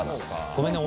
ごめんね。